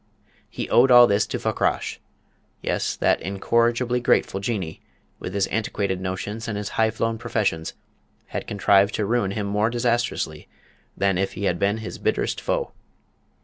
He owed all this to Fakrash. Yes, that incorrigibly grateful Jinnee, with his antiquated notions and his high flown professions, had contrived to ruin him more disastrously than if he had been his bitterest foe!